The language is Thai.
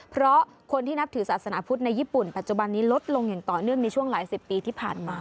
เพราะคนที่นับถือศาสนาพุทธในญี่ปุ่นปัจจุบันนี้ลดลงอย่างต่อเนื่องในช่วงหลายสิบปีที่ผ่านมา